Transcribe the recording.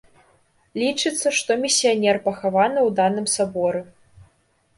Лічыцца, што місіянер пахаваны ў даным саборы.